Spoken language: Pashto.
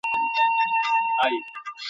ته به مي نه وینې بې پښو او بې امسا راځمه .